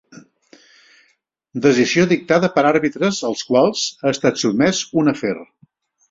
Decisió dictada per àrbitres als quals ha estat sotmès un afer.